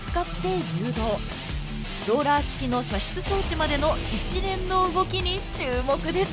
ローラー式の射出装置までの一連の動きに注目です。